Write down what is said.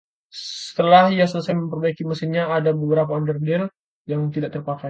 Setelah ia selesai memperbaiki mesinnya, ada beberapa onderdil yang tidak terpakai.